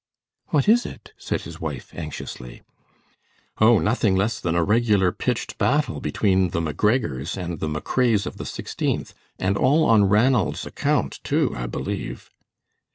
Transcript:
"What is it?" said his wife, anxiously. "Oh, nothing less than a regular pitched battle between the McGregors and the McRaes of the Sixteenth, and all on Ranald's account, too, I believe."